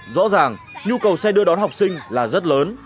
rõ ràng nhu cầu xe đưa đón học sinh là rất lớn